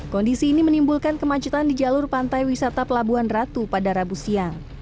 kondisi ini menimbulkan kemacetan di jalur pantai wisata pelabuhan ratu pada rabu siang